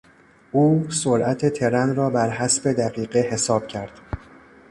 او سرعت ترن را بر حسب دقیقه حساب کرد.